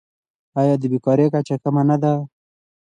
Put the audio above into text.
آیا د بیکارۍ کچه کمه نه ده؟